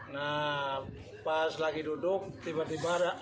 nah pas lagi duduk tiba tiba ada